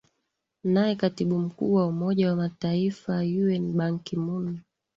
naye katibu mkuu wa umoja wa mataifa un banki moon